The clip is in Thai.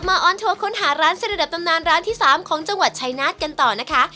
ออนทัวร์ค้นหาร้านเส้นระดับตำนานร้านที่๓ของจังหวัดชายนาฏกันต่อนะคะ